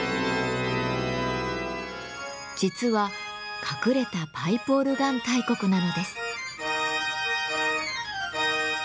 実は隠れた「パイプオルガン大国」なのです。